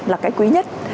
là cái quý nhất